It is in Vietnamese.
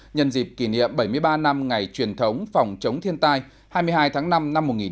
nhân dịp kỷ niệm bảy mươi ba năm ngày truyền thống phòng chống thiên tai hai mươi hai tháng năm năm một nghìn chín trăm bảy mươi